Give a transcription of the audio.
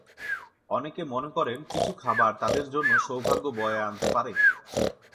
অনেকে মনে করেন, কিছু খাবার তাঁদের জন্য সৌভাগ্য বয়ে আনতে পারে।